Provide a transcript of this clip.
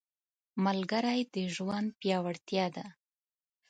ملګری د ژوند پیاوړتیا ده